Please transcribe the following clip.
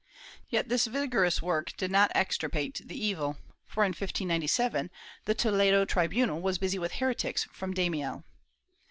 Yet this vigorous work did not extirpate the evil for, in 1597, the Toledo tribunal was busy with heretics from Daimiel.